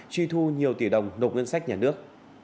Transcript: truy thu nhiều tỷ đồng nộp ngân sách nhà nước